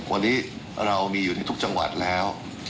วันนี้เรามีอยู่ในทุกจังหวัดแล้ว